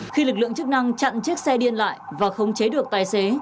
khi lực lượng chức năng chặn chiếc xe điên lại và khống chế được tài xế